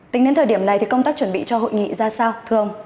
tính đến thời điểm này thì công tác chuẩn bị cho hội nghị ra sao thưa ông